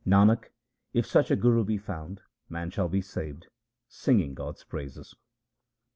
Nanak, if such a guru be found, man shall be saved, sing ing God's praises.